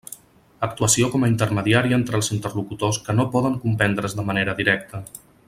Actuació com a intermediari entre els interlocutors que no poden comprendre's de manera directa.